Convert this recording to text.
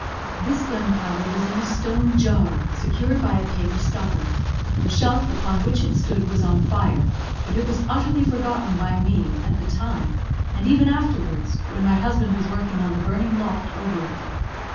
This gunpowder was in a stone jar, secured by a paper stopper; the shelf upon which it stood was on fire, but it was utterly forgotten by me at the time; and even afterwards, when my husband was working on the burning loft over it.